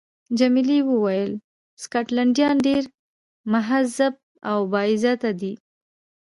جميلې وويل: سکاټلنډیان ډېر مهذب او با عزته دي.